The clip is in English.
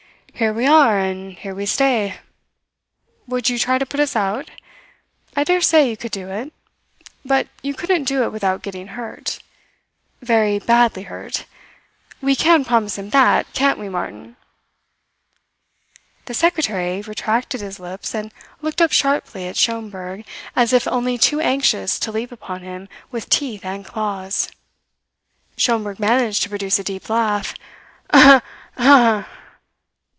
Here we are and here we stay. Would you try to put us out? I dare say you could do it; but you couldn't do it without getting hurt very badly hurt. We can promise him that, can't we, Martin?" The secretary retracted his lips and looked up sharply at Schomberg, as if only too anxious to leap upon him with teeth and claws. Schomberg managed to produce a deep laugh.